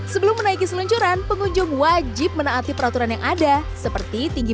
sebelum menaiki seluncuran pengunjung wajib menaati peraturan yang ada seperti tinggi